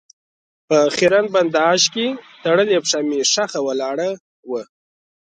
په خېرن بنداژ کې تړلې پښه مې ښخه ولاړه وه.